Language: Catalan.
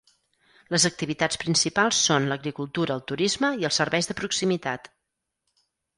Les activitats principals són l'agricultura, el turisme i els serveis de proximitat.